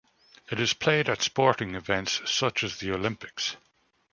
It is played at sporting events, such as the Olympics.